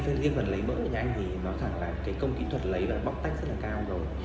cho nên riêng phần lấy mỡ nhà anh thì nói thẳng là công kỹ thuật lấy và bóc tách rất là cao rồi